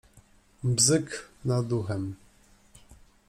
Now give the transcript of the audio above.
Bzyk nad uchem.